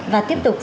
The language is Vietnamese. và tiếp tục